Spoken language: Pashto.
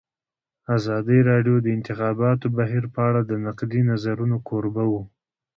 ازادي راډیو د د انتخاباتو بهیر په اړه د نقدي نظرونو کوربه وه.